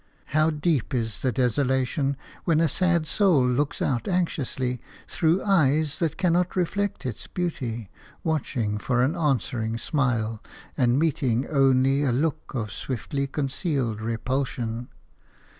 How deep is the desolation, when a sad soul looks out anxiously, through eyes that cannot reflect its beauty, watching for an answering smile, and meeting only a look of swiftly concealed repulsion!